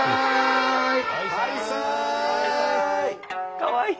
かわいい！